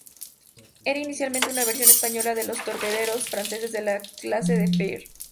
Eran inicialmente una versión española de los torpederos franceses de la clase "Le Fier".